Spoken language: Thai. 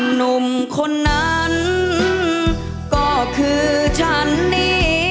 หนุ่มคนนั้นก็คือฉันนี่